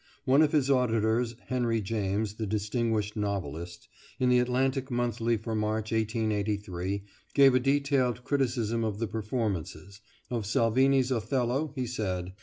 One of his auditors, Henry James, the distinguished novelist, in the Atlantic Monthly for March, 1883, gave a detailed criticism of the performances. Of Salvini's Othello he said